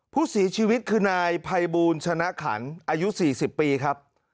ผู้เสียชีวิตคือนายภัยบูลชนะขันอายุ๔๐ปีครับ